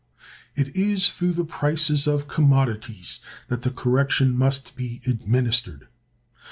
It is through the prices of commodities that the correction must be administered.